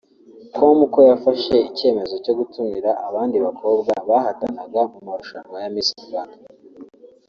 com ko yafashe icyemezo cyo gutumira abandi bakobwa bahatanaga mu marushanwa ya Miss Rwanda